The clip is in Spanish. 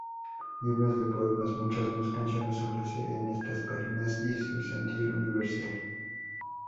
Libros de poemas, muchas más canciones, ofrece en estas páginas y su sentir universal.